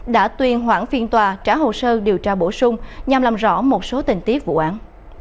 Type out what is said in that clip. đã tuyên hoãn phiên tòa trả hồ sơ điều tra bổ sung nhằm làm rõ một số tình tiết vụ án